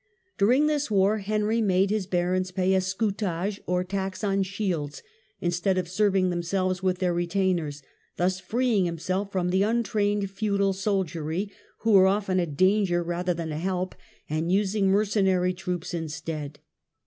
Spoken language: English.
During this war Henry made his barons pay a scutag€y or tax on shields, instead of serving themselves with their retainers, thus freeing himself from the untrained feudal soldiery, who were often a danger rather than a help, and using mercenary troops instead.